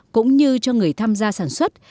cũng như cho người tham gia sản xuất